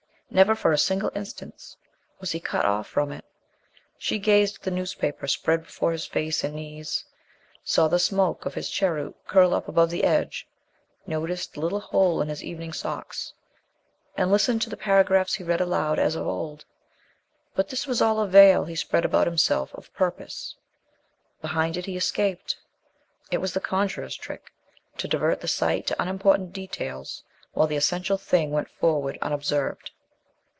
Never for a single instant was he cut off from it. She gazed at the newspaper spread before his face and knees, saw the smoke of his cheroot curl up above the edge, noticed the little hole in his evening socks, and listened to the paragraphs he read aloud as of old. But this was all a veil he spread about himself of purpose. Behind it he escaped. It was the conjurer's trick to divert the sight to unimportant details while the essential thing went forward unobserved.